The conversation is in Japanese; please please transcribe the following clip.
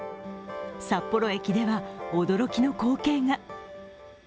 札幌駅では、驚きの光景が。